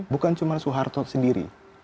bukan cuma suharto sendiri